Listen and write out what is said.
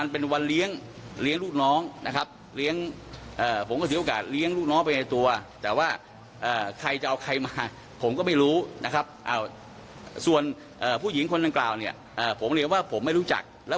เป็นการปล่อยภาพออกมาเพื่อดิสเครดิตค่ะ